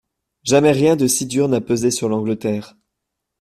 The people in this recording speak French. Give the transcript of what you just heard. Jamais rien de si dur n’a pesé sur l’Angleterre.